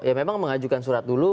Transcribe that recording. ya memang mengajukan surat dulu